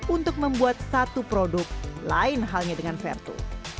untuk membuat satu produk lain halnya dengan vertu